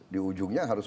di ujungnya harus